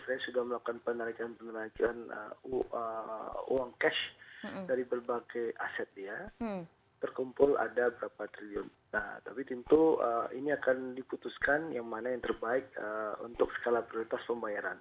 yang kedua kami akan melakukan komisi enam dan sebelas serta jiwasraya ojk kementerian keuangan dan kementerian menumbuh mn untuk membuat komisi enam dan sebelas